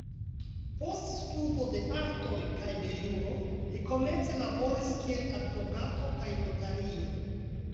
Post studo de artoj kaj de juro, li komence laboris kiel advokato kaj notario.